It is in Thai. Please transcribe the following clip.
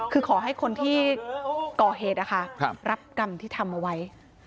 คือขอให้คนที่ก่อเหตุนะคะรับกรรมที่ทำเอาไว้